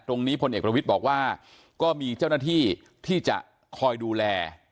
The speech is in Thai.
พลเอกประวิทย์บอกว่าก็มีเจ้าหน้าที่ที่จะคอยดูแล